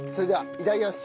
いただきます。